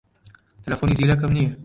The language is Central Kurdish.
تەلەفۆنی زیرەکم نییە.